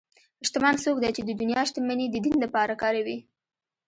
شتمن څوک دی چې د دنیا شتمني د دین لپاره کاروي.